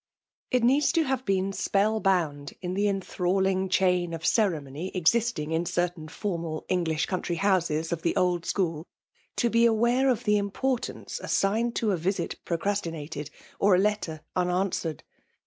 It needs to have been spell bound in the enthralMng chain of ceremony existing in cep tatn formal English country houses of the old school, to b^ aware of the importance assigned to a visit procrastinated, or a letter unan swered.